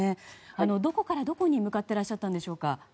どこからどこに、向かっていらっしゃったんでしょうか。